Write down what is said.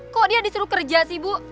kok dia disuruh kerja sih bu